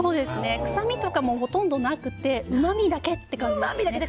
臭みとかもほとんどなくてうまみだけって感じですよね。